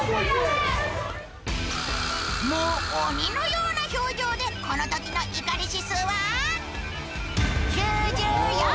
もう鬼のような表情でこのときの怒り指数は９４！